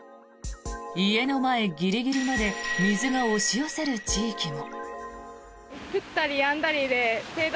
家の前ギリギリまで水が押し寄せる地域も。